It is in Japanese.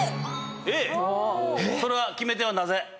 Ａそれは決め手はなぜ？